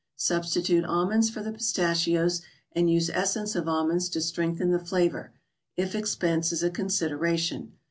Substitute almonds for the pistachios, and use essence of almonds to strengthen the flavor, if expense is a consideration.